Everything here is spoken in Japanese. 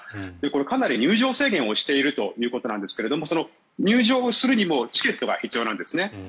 これ、かなり入場制限をしているということなんですが入場するにもチケットが必要なんですね。